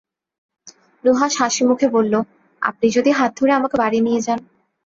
নুহাশ হাসিমুখে বলল, আপনি যদি হাত ধরে আমাকে বাড়িতে নিয়ে যান।